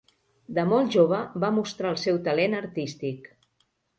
De molt jove va mostrar el seu talent artístic.